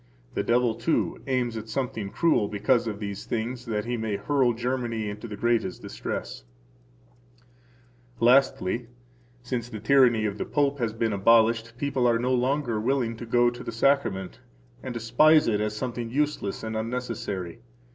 The devil, too, aims at something cruel because of these things [that he may hurl Germany into the greatest distress]. Lastly, since the tyranny of the Pope has been abolished, people are no longer willing to go to the Sacrament and despise it [as something useless and unnecessary].